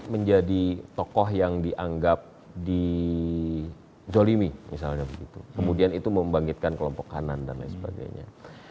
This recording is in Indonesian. menjadi tokoh yang dianggap dijolimi misalnya begitu kemudian itu membangkitkan kelompok kanan dan lain sebagainya